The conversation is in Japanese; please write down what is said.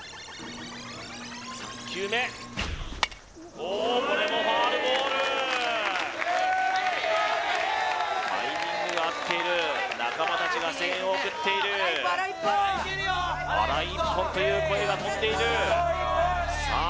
３球目おこれもファウルボールタイミングは合っている仲間達が声援を送っている荒井１本という声が飛んでいるさあ